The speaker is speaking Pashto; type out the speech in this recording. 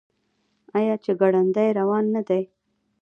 آیا چې ګړندی روان نه دی؟